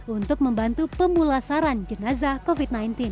untuk membantu pemulasaran jenazah covid sembilan belas